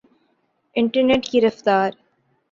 internet کی رفتار